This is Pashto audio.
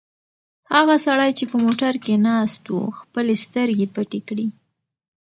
هغه سړی چې په موټر کې ناست و خپلې سترګې پټې کړې.